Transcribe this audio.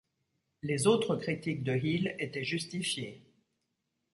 Les autres critiques de Hill étaient justifiées.